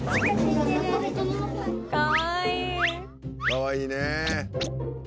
かわいいねえ。